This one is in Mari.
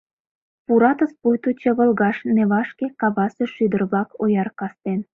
Пуратыс пуйто чывылгаш Невашке Кавасе шӱдыр-влак ояр кастен.